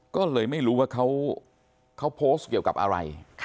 ก็เลยไม่รู้ว่าเขาโพสต์เกี่ยวกับอะไร